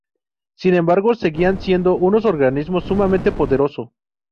Sin embargo, seguían siendo un organismo sumamente poderoso.